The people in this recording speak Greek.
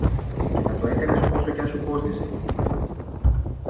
και θα το έκανες όσο και αν σου κόστιζε, είπε.